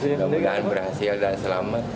semoga berhasil dan selamat